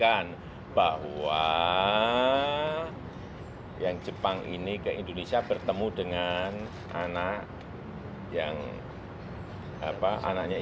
nanti biar dijelaskan lebih detail oleh menteri kesehatan dr terawa